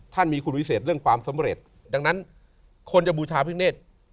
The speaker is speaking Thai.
มีคุณวิเศษเรื่องความสำเร็จดังนั้นคนจะบูชาพิกเนธ